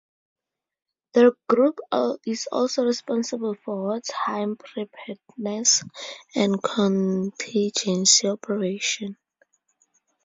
The group is also responsible for wartime preparedness and contingency operations.